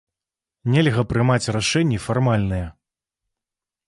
Нельга прымаць рашэнні фармальныя.